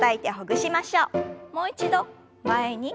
もう一度前に。